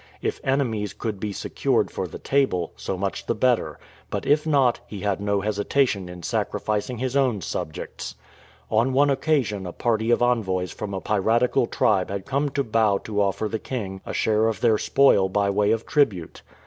If enemies could be secured for the table, so much the better ; but if not, he had no hesitation in sacrificing his own subjects. On one occasion a party of envoys from a piratical tribe had come to Bau to off*er the king a share of their spoil by way of tribute.